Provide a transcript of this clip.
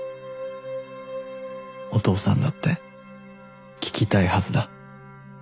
お父さんだって聞きたいはずだ